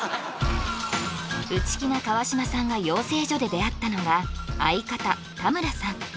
内気な川島さんが養成所で出会ったのが相方田村さん